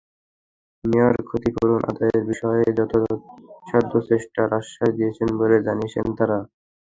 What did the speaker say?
Mayor ক্ষতিপূরণ আদায়ের বিষয়ে যথাসাধ্য চেষ্টার আশ্বাস দিয়েছেন বলে জানিয়েছেন তাঁরা।